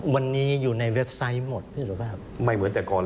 วันนี้อยู่ในเว็บไซต์หมดพี่สุภาพ